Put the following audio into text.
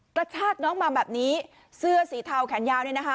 กระชากน้องมาแบบนี้เสื้อสีเทาแขนยาว